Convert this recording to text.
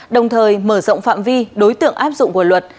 đồng thời mở rộng phạm vi đối tượng áp dụng của luật